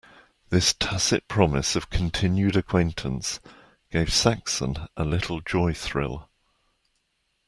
This tacit promise of continued acquaintance gave Saxon a little joy-thrill.